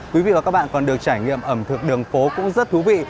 quý vị và các bạn còn được trải nghiệm ẩm thực đường phố cũng rất thú vị